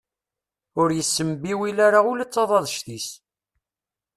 Ur yessembiwil ara ula d taḍadect-is.